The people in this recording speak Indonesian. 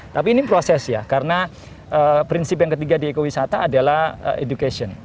tapi ini proses ya karena prinsip yang ketiga di ekowisata adalah education